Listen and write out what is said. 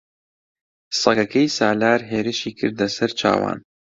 سەگەکەی سالار هێرشی کردە سەر چاوان.